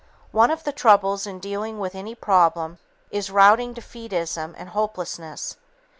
One of the troubles in dealing with any problem is routing defeatism and hopelessness.